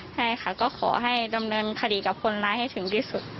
ใช่ค่ะก็ขอให้ดำเนินคดีกับคนร้ายให้ถึงที่สุด